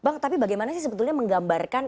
bang tapi bagaimana sih sebetulnya menggambarkan